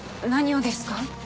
何をですか？